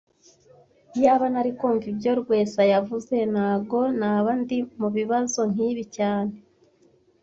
Iyaba nari kumva ibyo Rwesa yavuze, ntago naba ndi mubibazo nkibi cyane